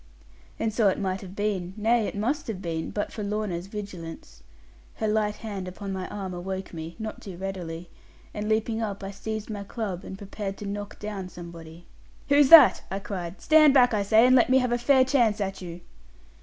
And so it might have been, nay, it must have been, but for Lorna's vigilance. Her light hand upon my arm awoke me, not too readily; and leaping up, I seized my club, and prepared to knock down somebody. 'Who's that?' I cried; 'stand back, I say, and let me have fair chance at you.'